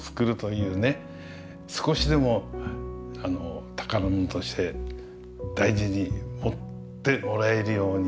少しでも宝物として大事に持ってもらえるようにね